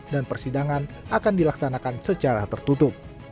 dan persidangan akan dilaksanakan secara tertutup